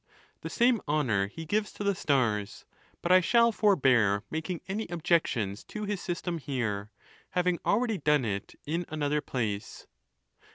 Tlie same honor he gives to the stars ; but I shall forbear making any objections to his system here, having already done it in another place.